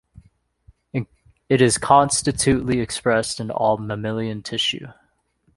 It is constitutively expressed in all mammalian tissue.